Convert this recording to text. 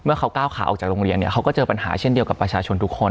เขาก้าวขาออกจากโรงเรียนเนี่ยเขาก็เจอปัญหาเช่นเดียวกับประชาชนทุกคน